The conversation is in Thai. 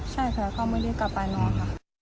ใช่เขาไม่ได้กลับไปนอนครับ